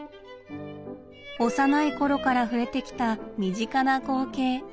幼い頃から触れてきた身近な光景